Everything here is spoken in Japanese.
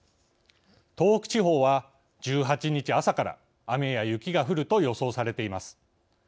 東北地方は１８日朝から雨や雪が降ると予想されています。